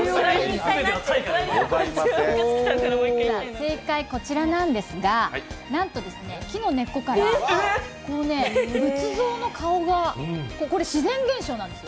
正解はこちらなんですが、なんと木の根っこから仏像の顔が、自然現象なんです。